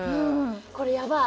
これやばい。